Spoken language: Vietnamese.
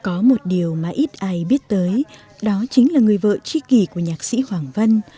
có một điều mà ít ai biết tới đó chính là người vợ tri kỳ của nhạc sĩ hoàng vân